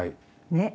ねっ。